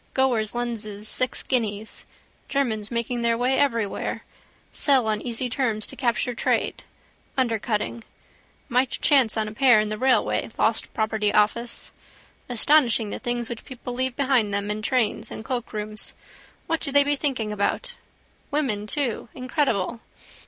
Goerz lenses six guineas. Germans making their way everywhere. Sell on easy terms to capture trade. Undercutting. Might chance on a pair in the railway lost property office. Astonishing the things people leave behind them in trains and cloakrooms. What do they be thinking about? Women too. Incredible.